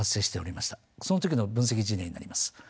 その時の分析事例になります。